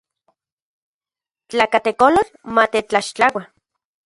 Tlakatekolotl matetlaxtlaua.